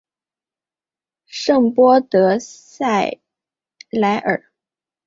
圣波德萨莱尔。